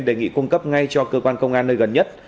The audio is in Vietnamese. đề nghị cung cấp ngay cho cơ quan công an nơi gần nhất